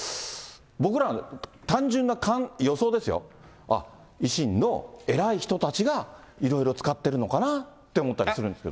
僕ら、単純な予想ですよ、あっ、維新の偉い人たちがいろいろ使っているのかなって思ったりするんですけど。